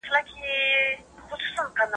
پنیر په ژمي کي نه خرابیږي.